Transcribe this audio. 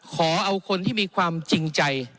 ขอเอาคนที่มีความจริงใจ